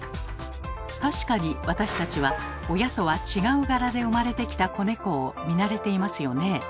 確かに私たちは親とは違う柄で生まれてきた子猫を見慣れていますよね。